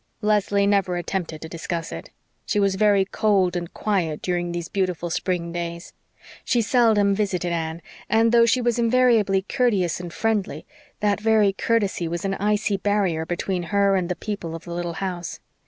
Leslie never attempted to discuss it. She was very cold and quiet during these beautiful spring days. She seldom visited Anne, and though she was invariably courteous and friendly, that very courtesy was as an icy barrier between her and the people of the little house.